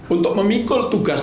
untuk memikul tugasnya